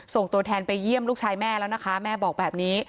ตัวแทนไปเยี่ยมลูกชายแม่แล้วนะคะแม่บอกแบบนี้